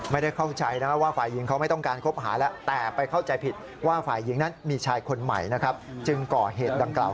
ไม่ได้เข้าใจว่าฝ่ายหญิงเขาไม่ต้องการคบหาละ